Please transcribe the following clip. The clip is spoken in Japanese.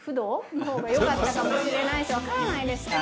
のほうがよかったかもしれないしわからないですけど。